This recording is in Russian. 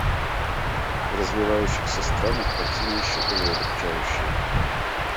В развивающихся странах картина еще более удручающая.